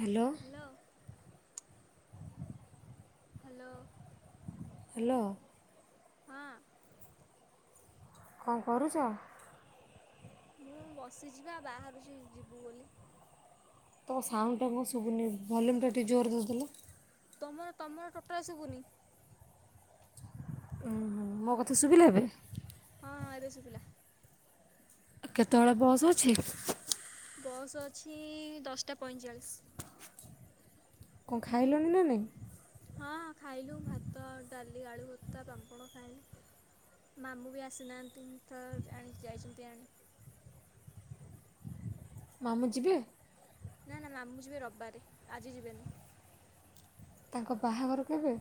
Hello. Hello. Hello. ହଁ, କଣ କରୁଛ? ମୁଁ ବସିଚିବା ବାହାରୁଛି ଯିବୁ ବୋଲି ତମ ସାଉଣ୍ଡଟା କଣ ଶୁଭୁନି ଭଲ୍ୟୁମ୍ ଟା ଟିକେ ଜୋରରେ ଧରିଦେଲ। ତମର ତମର ଟୋଟାଲ ଶୁଭୁନି। ଉ ମୋ କଥା ଶୁବିଲା ଏବେ? ହଁ ଏବେ ସୁୁବିଲା। କେତେବେଳେ ବସ୍ ଅଛି? ବସ୍ ଅଛି ଦଶଟା ପଇଁଚାଳିଶ। କଣ ଖାଇଲଣି ନା ନାଇଁ? ହଁ ଖାଇଲୁ ଭାତ ଡାଲି ଆଳୁ ଭରତା ପାମ୍ପଡ଼ ଖାଇଲୁ। ମାମୁଁ ବି ଆସିନାହାନ୍ତି ତ ଯାଇଛନ୍ତି ଆଣି। ମାମୁଁ ଯିବେ? ନା ନା ମାମୁ ଯିବେ ରବିବାରେ ଆଜି ଯିବେନି। ତାଙ୍କ ବାହାଘର କେବେ?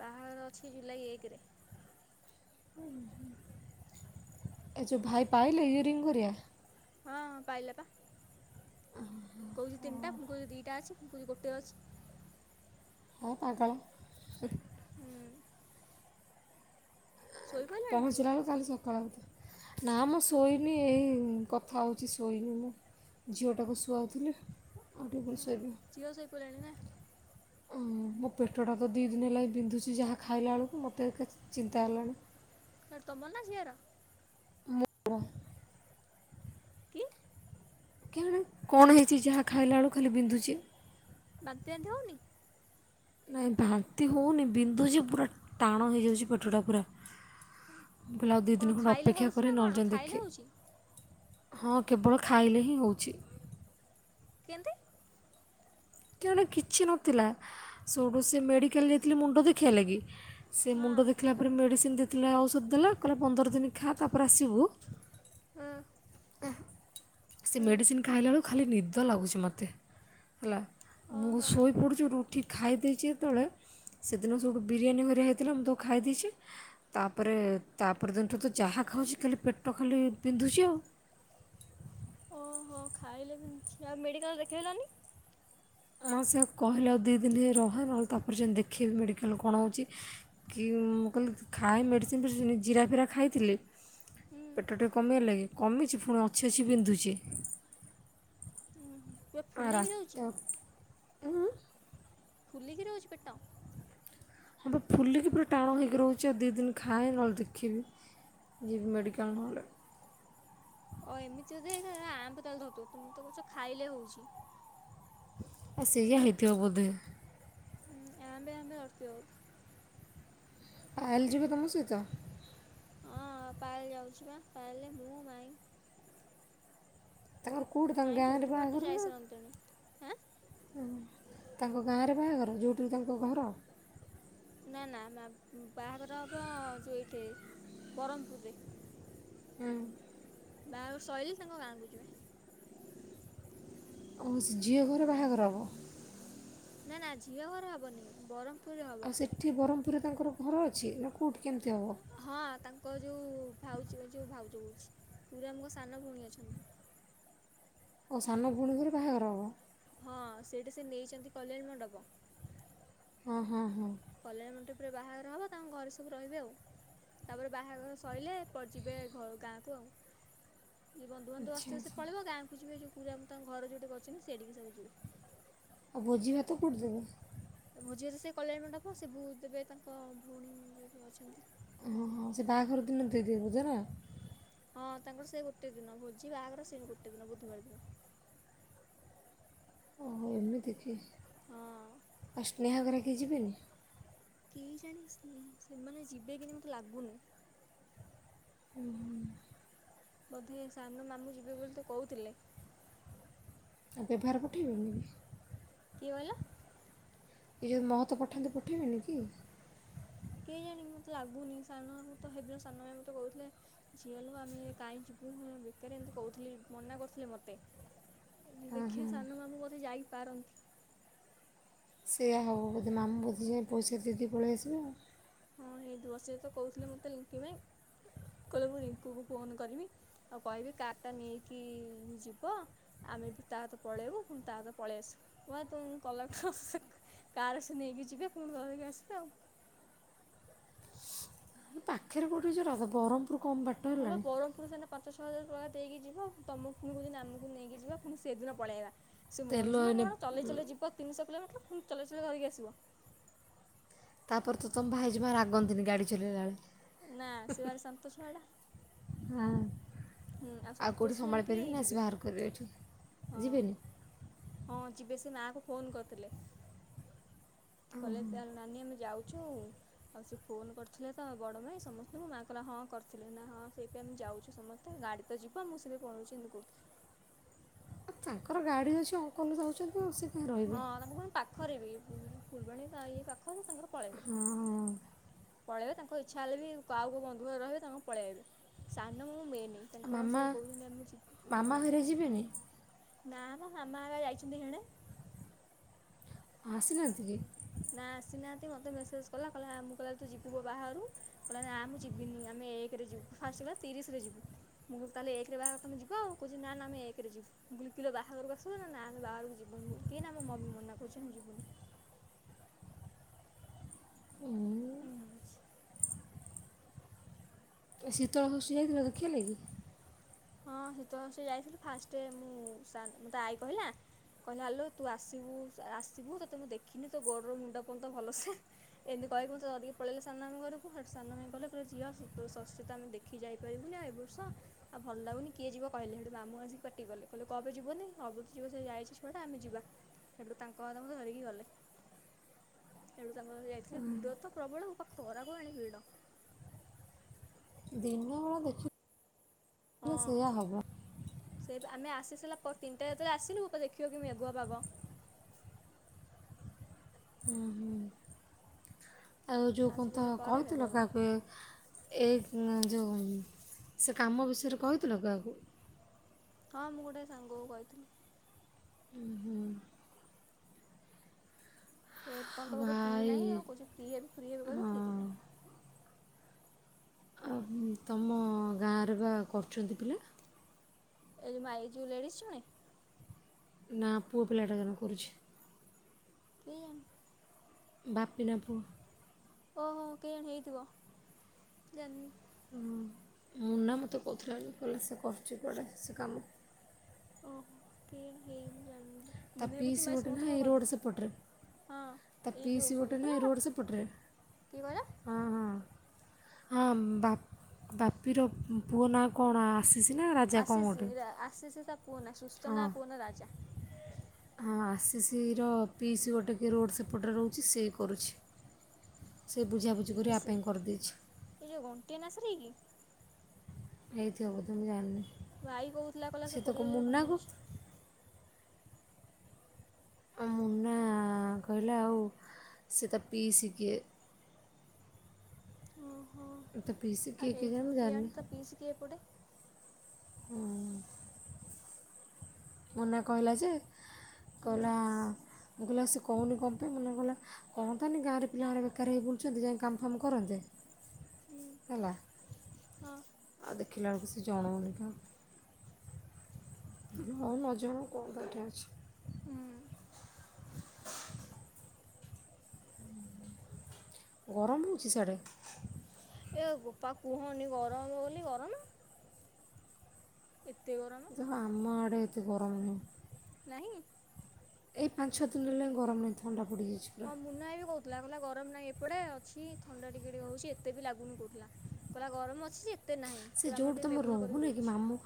ବାହାଘର ଅଛି ଜୁଲାଇ ଏକ ରେ। ଏଇ ଯୋଉ ଭାଇ ପାଇଲେ ୟୁରିିଙ୍ଗ ଗୁରିଆ? ହଁଁ ପାଇି ଲେପା, ଦିଟା ଅଛି ଗୋଟେ ଅଛି, ହ ପାଗଳ। ହୁଁ। ଶୋଇପଡ଼ିଲାଣି କି ପହଞ୍ଚିଲା ବେଳକୁ କାଲି ସକାଳ ହବ। ନା ମୁଁ ଶୋଇନି ଏଇ କଥା ହଉଛି ଶୋଇନି ମୁଁ। ଝିଅଟାକୁ ଶୁଆଉଥିଲି ଆଉ ଟିକେ ଗଲେ ଶୋଇବି ଆ,, ଝିଅ ଶୋଇପଡ଼ିଲାଣି ନା ମୋ ପେଟଟା ତ ଦୁଇ ଦିନ ହେଲା ବିନ୍ଧୁଛି ଯାହା ଖାଇଲା ବେଳକୁ ମୋତେ ଚିନ୍ତା ହେଲାଣି। ଫରେ ତମର ନା ଝିଅର? [inaudible] କି? କିଣେ କଣ ହେଇଛି ଯାହା ଖାଇଲା ବେଳକୁ ଖାଲି ବିନ୍ଧୁଛି? ବାନ୍ତି ଫାନ୍ତି ହେଉନି? ନାଇଁ ବାନ୍ତି ହଉନି ବିନ୍ଧୁଛି ପୁରା ଟାଣ ହେଇଯାଉଛି ପେଟ ଟା ପୁରା। ମୁ କହିଲେ ଆଉ ଦୁଇ କ'ଣ ଦୀନ ଖଣ୍ଡେ ଖାଇଲେ ଅପେକ୍ଷା ହେଉଛି ନା କରେ ନହିଲେ କ'ଣ ଯାଇକି ଖାଇଲେ ହେଉଛି ଦେଖେ ହଁ କେବଳ ଖାଇଲେ ହିଁ ହଉଛି। କେମିତି, କେଆଣି କିଛି ନଥିଲା ସେଇଠୁ ସେ ମେଡିକାଲ ଯାଇଥିଲି ମୁଣ୍ଡ ଦେଖିବା ଲାଗି ସେ ହଁ ମୁଣ୍ଡ ଦେଖିଲା ପରେ ମେଡ଼ିସିନ ଦେଇଥିଲା ଔଷଧ ଦେଲା କହିଲା ପନ୍ଦର ଦୀନ ଖା ତାପରେ ଆସିବୁ। ହୁଁ, ସେ ମେଡ଼ିସିନ୍ ଖାଇଲା ବେଳକୁ ଖାଲି ନିଦ ଲାଗୁଛି ମୋତେ। ହେଲା ମୁଁ ଓହୋ ଶୋଇପଡୁଛି ଉଠିକି ଖାଇ ଦେଇେଇଛି ଯେତେବେଳେ ସେଦିନସେଇଠୁ ବିରିୟାନୀ ଘରେ ହେଇଥିଲା ମୁଁ ତାକୁ ଖାଇ ଦେଇଛି ତାପରେ ତାପର ଦୀନଠୁ ତ ଯାହା ଖାଉଛି ଖାଲି ପେଟ ଖାଲି ପିନ୍ଧୁଛି ଆଉ ଓହୋ ଖାଇଲେ ବିନ୍ଧୁଛି ଆ ମେଡିକାଲ ଦେଖେଇଲନି? ଆ ସେ କହିଲେ ଆଉ ଦୁଇ ଦିନ ରୁହ ନହେଲେ ତାପରେ ଯାଇଦେଖେବି ମେଡ଼ିକାଲ କଣ ହେଉଛି କି ମୁଁ କହିଲି ଖାଏ ମେଡ଼ିସିନ ଫେଡ଼ିସିନ ଜିରା ଫିରା ଖାଇଥିଲି ହୁଁ ପେଟ ଟିକେ କମିଗଲାକି କମିଛି ପୁଣି ଅଛି ଅଛି ବିନ୍ଧୁଛି। ପୁରା ଆ ଫୁଲେଇକି ରହୁଛି ରାତ ଫୁଲିକି ରହୁଛି ପେଟ। ହଁ ବା ଫୁଲିକି ପୁରା ଟାଣ ହେଇକି ରହୁଛି ଆଉ ଦୁଇ ଦିନ ଖାଇ ନାହାନ୍ତି କିଛିବି। ଯିବି ମେଡ଼ିକାଲ ନହେଲେ। ଓ ଏମିତି ଯଦି ହେଇଥିବ ଆମ୍ବ ତାହେଲେ ଧରିଥିବ ତମେ ତ କହୁଛ ଖାଇଲେ ହଉଛି। ଆ ସେଇଆ ହେଇଥିବ ବୋଧେ। ହଁ ଆମ୍ୱେ ଆମ୍ୱେ ଧରିଥିବ ବୋଧେ। ପାଏଲ ଯିବ ତମ ସହିତ। ହଁ ପାଏଲ ଯାଉଛି ବା ପାଏଲ ମୁଁ ମାଇଁ। ତାଙ୍କର କୋଉଠି ତାଙ୍କ ମାଇଁ ଗାଁରେ ବୁଧବାରଠୁ ବାହାଘର ନା ଯାଇସାରନ୍ତେଣି ଆଁ ତାଙ୍କ ଗାଁରେ ବାହାଘର ଯେଉଁଠି ତାଙ୍କ ଘର? ନା ନା ବାହାଘର ହବ ଯଉ ଏଇଠି ବ୍ରହ୍ମପୁରରେ। ହୁଁ। ବାହାଘର ସଇଲେ ତାଙ୍କ ଗାଁ କୁ ଯିବେ। ଆଉ ସେ ଝିଅ ଘରେ ବାହାଘର ହବ? ନା ନା ଝିଅ ଘର ହବନି ବର ଆଉ ସେଠି ବରହମପୁରରେ ତାଙ୍କର ଘର ଅଛି ନା କଉଠି? ହଁ ତାଙ୍କ ଯୋଉ ଭାଉଛି ଯୋଉ ଭାଉଜ କୋ ପୁରୀରେ ଆମ ସାନ ଭଉଣୀ ଅଛନ୍ତି। ଓ ସାନ ଭଉଣୀ ଘରେ ବାହାଘର ହବ। ହଁ ସେଇଠି ସେ ନେଇଚନ୍ତି କଲ୍ୟାଣ ମଣ୍ଡପ। ହଁ ହଁ ହଁ। କଲ୍ୟାଣୀ ମଣ୍ଡପ ରେ ବାହାଘର ହବ ତାଙ୍କ ଘରେ ସବୁ ରହିବେ ଆଉ। ତାପରେ ବାହାଘର ସଇଲେ ପରେ ଯିବେ ଘ ଗାଁ କୁ ଆଉ। ଜିଏ ବନ୍ଧୁ ବାନ୍ଧବ ଆଚ୍ଛା ଆସିବେ ସେ ଆଚ୍ଛା ପଳେବ ଗାଁ କୁ ଯିବେ ଯୋଉ ପୁରା ତାଙ୍କ ଘର ଯୋଉଠି କରିଚନ୍ତି ସେଇଠିକି ସବୁ ଯିବେ। ଆଉ ଭୋଜି ଭାତ କୋଉଠି ଦେବେ? ମଝିରେ ସେ କଲ୍ୟାଣି ମଣ୍ଡପ ସେ ବୁ ଦେବେ ତାଙ୍କ ଭଉଣୀ ଯୋଉଠି ଅଛନ୍ତି। ହଁ ହଁ ସେ ବାହାଘର ଦିନ ଦେଇଦେବେ ଭୋଜି ନା? ହଁ ତାଙ୍କର ସେ ଗୋଟେ ଦିନ ଭୋଜି ବାହାଘର ସେଇ ଗୋଟେ ଦିନ ବୁଧବାର ଦିନ। ଓ ହୋ ଏମିତି କି ହଁ ଆଉ ସ୍ନେହାଘର କେହି ଯିବେନି? କେଜାଣି ସ୍ନେ ସେମାନେ ଯିବେ କି ନାହିଁ ମତେ ଲାଗୁନି। ଉ ହୁଁ। ବୋଧେ ସାନ ମାମୁଁ ଯିବେ ବୋଲି ତ କହୁଥିଲେ। ଆଉଁ ବେଭାର ପଠେଇବନି କି? କିଏ କହିଲ? ଏ ଯୋଉ ମହତ ପଠାନ୍ତି ପଠେଇବେନି କି? କେଜାଣି। ମତେ ଲାଗୁନି ସାନ ମାମୁଁ ତ ହେଦିନ ସାନ ମାଇଁ ମତେ କହୁଥିଲେ ଝିଆଲୋ ଆମେ କାଇଁ ଯିବୁ ହେରା ବେକା ହେରା ହେମିତି କହୁଥିଲି ମନା କରୁଥିଲେ ମତେ। ଦେଖିଆ ସାନ ମାମୁଁ ବୋଧେ ଯାଇପାରନ୍ତି। ସେଇୟା ହବ ବୋଧେ ମାମୁଁ ବୋଧେ ଯାଇଁ ପଇସା ଦେଇ ଦେଇ ପଳେଇ ଆସିବେ ଆଉ। ହଁ ହେଇଥିବ ସେତ କହୁଥିଲେ ମତେ ଲିଟି ମାଈ। କହିଲେ ମୁଁ ରିଙ୍କୁ କୁ ଫୋନ କରିବି ଆଉ କହିବି କାର୍ ଟା ନେଇକି ଯିବ ଆ ତା ଅଇତ ପଳେଇବୁ ତା ପରେ ପଳେଇ ଆସିବୁ [unintelligible] କାର ସେ ନେଇକି ଯିବେ ପୁଣି ଧରିକି ଆସିବେ ଆଉ। ପାଖରେ କୋଠି ଯିବ ତ ବରମପୁରୁ କମ ବାଟ ହଁ ବା ହେଲାନି। ବ୍ରହ୍ମପୁର ସେନା ପାଞ୍ଚ ଛଅ ହଜାର ଟଙ୍କା ଦେଇକି ଯିବ। ତମକୁ ପୁଣି କହୁଛନ୍ତି, ଆମକୁ ନେଇକି ଯିବା ପୁଣି ସେଦିନ ପଳେଇବା। ସେ ତେଲ ମଣିଷ ନା ଏଇନେ କଣ ଚଲେଇ ଚଲେଇ ଯିବ ତିନିଶହ କିଲୋମିଟର ପୁଣି ଚଲେଇ ଚଲେଇ ଧରିକି ଆସିବ? ତାପରେ ତ ତମ ଭାଇଜମା ରାଗନ୍ତିନି! ଗାଡି ଚଲେଇଲା ବେଳେ? ନା, ସେ ଭାରି ଶାନ୍ତ ଛୁଆ ଟା। ହଁ ହୁଁ ଆଉ କଉଁଠି ସନ୍ତୋଷିନୀ ସମାଳି ଆଣ୍ଟି ପାରିବେନି ଆସି ଯିବେ। ବାହାର କରବେ ଏଠୁ! ହଁ ଯିବେନି? ହଁ ଯିବେ। ସେ ମା କୁ ଫୋନ୍ କରଥିଲେ। କଲେଜ୍ ଚାଲ ନାନୀ ଆମେ ଯାଉ ଯଉ ସେ ଫୋନ କରିଥିଲେ ତ, ବଡ ମାଇଁ ସମସ୍ତଙ୍କୁ ମା କହିଲା, ହଁ କରିଥିଲେ ନା ହଁ ସେଇପାଇଁ ମୁଁ ଯାଉ ଯାଉଛୁ, ସମସ୍ତେ ଗାଡି ତ ଯିବ ମୁଁ ସେଥିରେ ପଳଉଛି ଏମିତି କହୁଥିଲେ। ଆ ତାଙ୍କର ଗାଡି ଅଛି ଅଙ୍କଲ ଯାଉଛନ୍ତି। ଆଉ ସେ କାହିଁ ରହିବେ ହଁ, ତମ କଣ ପାଖରେ ବି? ଫୁଲବାଣୀ ତାଇ ପାଖରେ ହଁ। ପଳେଇବା ତାଙ୍କ ଇଚ୍ଛା ହେଲେ ବି ଆଉ କଉ ବନ୍ଧୁ ରହିବେ ତାଙ୍କର ପଳେଇଆଇବେ। ସାନଁ ବଉ ମେନ୍ ଆ ମାମା ମାମା ହେରି ଯିବେନି। ନା ନା ମାମା ହେରିକା ଯାଇଛନ୍ତି ହେଣେ। ଆସିନାହାନ୍ତି କି? ନା ଆସିନାହାନ୍ତି ମୋତେ ମେସେଜ କଲା କଲା। ମୁଁ କହିଲି ତୁ ଯିବୁପା ବାହାଘରକୁ କହିଲା ନାଁ ମୁଁ ଯିବିନି ଆମେ ଏକରେ ଯିବୁ ଫାଷ୍ଟ କହିଲା ତିରିଶରେ ଯିବୁ। ମୁଁ କହିଲି ତାହେଲେ ଏକରେ ବାହାଘର କନେ ଯିବ ଆଉ। କହୁଚି ନା ନା ଆମେ ଏକରେ ଯିବୁ। ମୁୁ କିଲୋ ବାହାଘର କୁ ଆସିବୁନା। ନା ବାହାଘରକୁ ଯିବୁ ନି କିନା ମୋ ମମି ମନା କରୁଛନ୍ତି ଯିବୁନି। ଏଇନା ହଉଛି। ଶୀତଳ ଷଷ୍ଠି ଯାଇଥିଲ ଦେଖିହେଲାକି। ହଁ ଶୀତଳ ଷଷ୍ଠୀ ଯାଇଥିଲୁ। ଫାଷ୍ଟ ରେ ମୁଁ ସାର ମୋତେ ଆଈ କହିଲା। କହିଲା ଆଲୋ ତୁ ଆସିବୁ ଆସିବୁ ତୋତେ ମୁଁ ଦେଖିମି ତୋ ଗୋଡରୁ ମୁଣ୍ଡ ପଯ୍ୟନ୍ତ ଭଲସେ ଏମ କହିବୁ ଦରିକି ପଳେଇଲେ ସାନ ମାମୁଁ ଘରକୁ। ସାନ ମାଇଁ କହିଲେ କଇଲେ ଝିଅ ତୋ ଶଶୀ ତ ଆମେ ଦେଖି ଯାଇପାରିବୁନି ଏବେଠୁ ସ ଆବ୍ ଭଲ ଲାଗୁନି କିଏ ଯିବ କହିଲେ। ହେଟୁ ମାମୁଁ ଆସିକି ପାଟିକଲେ। କହିଲେ କଣ ପାଇଁ ଯିବନି ଅଲବତ ଯିବ ସେ ଯାଇଛି ଛୁଆଟା ଆମେ ଯିବା। ହେଟୁ ତାଙ୍କ ମାନଙ୍କୁ ଧରିକି ଗଲେ। ତେଣୁ ତାଙ୍କର ହେଇ ଯାଇଥିଲେ ଭିଡତ ପ୍ରବଳ ପାଖ ଖରାକୁ ଏଣେ ଭିଡ। [inaudible] ଦିନବେଳା ହଁ ଦେଖିବୁ ସେୟା ହବ। ସେ ଆମେ ଆସି ସାଇଲା ପରେ ତିନିଟା ରାତିରେ ଆସିଲୁ ବାପ କି ଦେଖିବାକୁ ମେଘୁଆ ପାଗ। ହୁଁ ହୁଁ। ଆଉ ଯେଉଁ ଆସି କଅନ୍ତ ସାରିଲା ପରେ ମେଘ କହିଥିଲ ହବ କାଆକୁ ଏ ଏ ନା ଯେଉଁ ସେ କାମ ବିଷୟରେ କଇଥିଲ କାହାକୁ? ହଁ ମୁଁ ଗୋଟେ ସାଙ୍ଗକୁ କଇଥିଲି। ଉହୁଁ। ଏପନ୍ତ ବୋଧେ ଫ୍ରି ଭାଇ ନାଇଁ ଆଉ କହୁଚି ଫ୍ରି ହେବି ଫ୍ରି ହେବ କେମତି? ଆହୁଁ ତମ ଗାଁରେ ପା କରୁଚନ୍ତି ପିଲା। ଏଇ ମାଇ ଯୋଉ ଲେଡିସ ଜଣେ ନା ପୁଅ ପିଲାଟା ଜଣେ କରୁଛି। କେୟାଣୀ ଵାପିନା ପୁଅ। ଓହୋ କେୟାଣୀ ହେଇଥିବ ଜାନୀ ହୁଁ ନା ମୋତେ କହୁଥିଲା କି ସେ କରୁଚି କୁଆଡ଼େ ସେ କାମ। ଓହୋ କେୟାଣି ହେୟାଣୀ ମୁଁ ଯାନି। ତା ପିଇସୀ ଗୋଟେ ନାହିଁ ରୋଡ଼ ସେପଟରେ। ତା ହଁ ପିଇସୀ ଗୋଟେ ନାହିଁ ରୋଡ ସେପଟରେ। କି କଇଲ? ହଁ ହଁ ହଁ ଵାପ୍ ବାପିର ପୁଅ ନାଁ କଣ? ଆ ଆଶିଷ ନା ରାଜା କଣ ଗୋଟେ। ପୁଅନା ସୁସ୍ଥନା ହଁ ପୁଅ ନା ରାଜା। ହଁ ଆସିିସ ର ପିଇସୀ ଗୋଟେ କିଏ ରୋଡ଼୍ ସେପଟେ ରହୁଚି ସିଏ କରୁଛି। ସେ ବୁଝାବୁଝି କରି ଇସି ଆପାଇଁ କରିଦେଇଛି। ଏ ଯେଉଁ ଘଣ୍ଟିଆ ନାସରେଇ କି ହେଇଥିବ ବୋଧେ ମୁଁ ଜାଣନି। ଭାଇ କଉଥିଲା କଇଲା ସେ କୋଡିଏ ହଜାର କମୋଉଛି। ଉଁ ନାଁ କହିଲା ଆଉ ସେ ତା ପିଇସୀ କିଏ। ଓହୋ ତା ପିଇସୀ ଆ କିଏ କେଜାଣି ହେଇଥିବ ମୁଁ କେଆଣି ଜାଣନି। ତା ପିଇସି କି ଏପଟେ ହୁଁ। ମୁନ୍ନ କହିଲା ଯେ ହୁଁ କହିଲା ମୁଁ କହିଲି ସେ କୋହୁନି କଣ ପାଇଁ ମୁନ୍ନା କହିଲା କହନ୍ତାନି ଗାଁରେ ପିଲାଉରା ବେକାର ହେଇ ବୁଲୁଚନ୍ତି ଯାଇଙ୍କି କାମଫାମ କରନ୍ତେ। ହୁଁ ହେଲା ହଁ ଆଉ ଦେଖିଲା ବେଳକୁ ସେ ଜଣୋଉନି କାହାକୁ। ହୋଉ ନଜଣୋଉ କଣ କାହେଠଁ ଅଛି। ହୁଁ ଗରମ ହୋଉଚି ସିଆଡେ? ଏ ବୋପା କୁହନି ଗରମ ବୋଲି ଗରମ। ଏତେ ଗରମ ଯାହା ହୋଉ ଆମ ଆଡେ ଏତେ ଗରମ ନାହିଁ। ନାହିଁ। ଏଇ ପାଞ୍ଚ ଛଅ ଦିନ ହେଲା ଗରମ ନାହିଁ। ଥଣ୍ଡା ପଡିଯାଇଚି ପୁରା। ହଁ [unintelligible] ଗରମ ନାହିଁ ଏପଟେ ଅଛି ଥଣ୍ଡା ଟିକେ ଟିକେ ହୋଉଚି। ଏତେ ବି ଲାଗୁନି କୋହୁଥିଲା। କହିଲା ଗରମ ଅଛି ଯେ ଏତେ ନାହିଁ ସେ ପୁରା ଆମର ଯୋଉଠି ଟିକେ ତମେ ମେଘୁଆ କରିକି ରହୁନ କି ରହୁଛି। ମାମୁଁ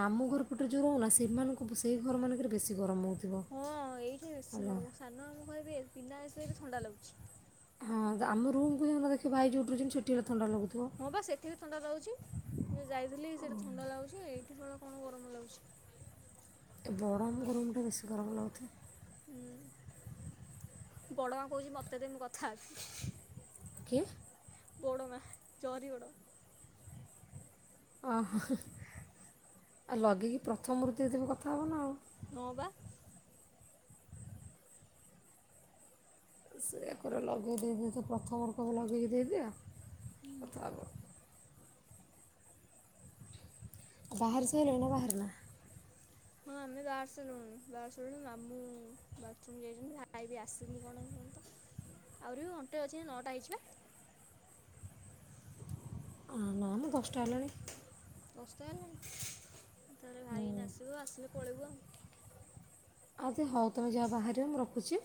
ମାମୁଁ ଘରୁ [unintelligible] ସେମାନଙ୍କୁ ସେହି ଘର ମାନଙ୍କରେ ବେଶୀ ଗରମ ହୋଉ ହଁ ଏଇଠି ବେଶୀ ଗରମ। ସାନ ମାମୁଁ କହିବେ ଏ ବିନା ଏସିରେ ବି ଥଣ୍ଡା ଲାଗୁଚି। ହଁ ତ ଆମ ରୁମକୁୁ ଜାଉନ ଦେଖିବ ଭାଇ ଯୋଉଠି ରହୁଚନ୍ତି ସେଠି ଥଣ୍ଡା ଲାଗୁଥିବ ହଁ ପା ସେଠି ବି ଥଣ୍ଡା ଲାଗୁଚି। ମୁଁ ଯାଇଥିଲି ସେଠି ଥଣ୍ଡା ଲାଗୁଚି ଏଇଠି କଣ ଗରମ ଲାଗୁଚି? ତୋ ବଡ ମାମୁଁଙ୍କ ରୁମଟା ବେଶୀ ଗରମ ଲାଗୁଥୁବ? ହୁଁ ବଡମା କୋହୁଚି ମତେ ଦେ ମୁଁ କଥା ହେବି। [unintelligible] କିଏ? ବଡମା ଚହରିଗଡ [unintelligible] ଓହୋ ଆଉ ଲଗେଇକି ପ୍ରଥମରୁ ଦେଇଦେଲେ କଥା ହବ ନା ଆଉ। ହଁ ପା। ସେଇଆ କର ଲଗେଇ ଦେଇଦିଅ ତ ପ୍ରଥମରୁ କହିବ ଲଗେଇକ ଦେଇଦିଅ କଥା ହବ। ବାହାର ସାଇଲଣି ନା ବାହାରି ନା? ହଁ। ଆମେ ବାହାରି ସାରିଲୁଣି, ବାହାରି ସାରିଲୁଣି ମାମୁଁ ବାଥରୁମ୍ ଯାଇଚନ୍ତି। ଭାଇ ବି ଆସିନି କଣ ଏପର୍ଯ୍ୟନ୍ତ। ଆହୁରି ବି ଘଣ୍ଟେ ଅଛି। ନଅଟା ହେଇଚି ପା? ଅ ନା ମ ଦଶଟା ହେଲାଣି। ଦଶଟା ହେଲାଣି ତାହେଲେ ଭାଇ ଏଇନା ଆସିବ ଆସିଲେ ପଳେଇବୁ ଆଉ। ଆଉତେ ହୋଉ ତମେ ଯାହା ବାହହାରିବ ମୁଁ ରଖୁଚି।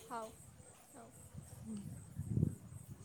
ହୋଉ ହୋଉ। ହୁଁ।